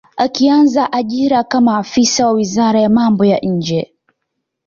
Akianza ajira kama afisa wa wizara ya mambo ya nje